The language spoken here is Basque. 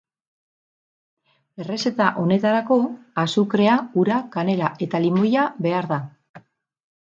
Errezeta honetarako azukrea, ura, kanela eta limoia behar da.